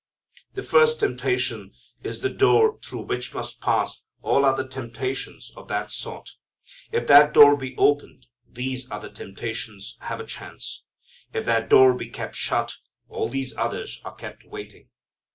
The first temptation is the door through which must pass all other temptations of that sort. If that door be opened these other temptations have a chance. If that door be kept shut, all these others are kept waiting.